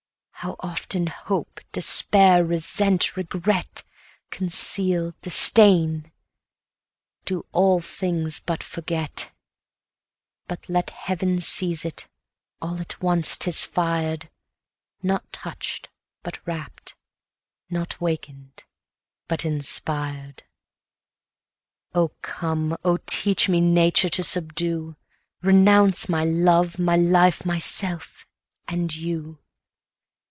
How often hope, despair, resent, regret, Conceal, disdain, do all things but forget! 200 But let Heaven seize it, all at once 'tis fired; Not touch'd, but rapt; not waken'd, but inspired! Oh come! oh teach me nature to subdue, Renounce my love, my life, myself and you.